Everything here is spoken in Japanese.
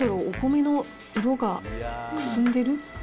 お米の色がくすんでる？